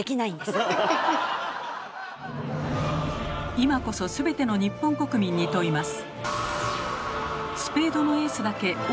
今こそすべての日本国民に問います。